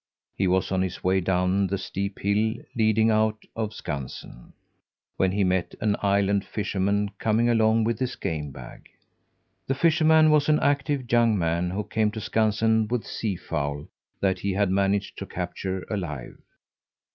He was on his way down the steep hill leading out of Skansen, when he met an island fisherman coming along with his game bag. The fisherman was an active young man who came to Skansen with seafowl that he had managed to capture alive.